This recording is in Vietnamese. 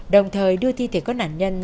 đồng thời đưa thi thể có nạn nhân